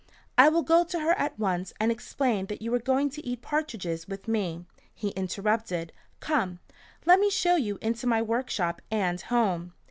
"I will go to her at once and explain that you are going to eat partridges with me," he interrupted. "Come let me show you into my workshop and home."